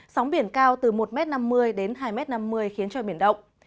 sóng biển cao từ một m năm mươi đến hai m năm mươi khiến cho biển động